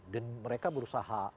dan mereka berusaha